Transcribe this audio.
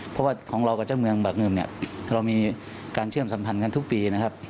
เพราะว่าของเรากับเจ้าเมืองบากเงินเนี่ยเรามีการเชื่อมสัมพันธ์กันทุกปีนะครับ